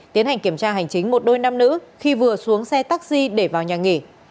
tiến hành kiểm tra hành chính một đôi nam nữ khi vừa xuống xe taxi để vào nhà nghỉ